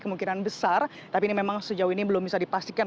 kemungkinan besar tapi ini memang sejauh ini belum bisa dipastikan